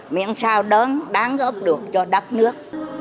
miễn sao đó đáng góp được cho đất nước